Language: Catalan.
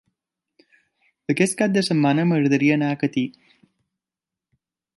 Aquest cap de setmana m'agradaria anar a Catí.